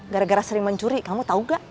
gara gara sering mencuri kamu tau gak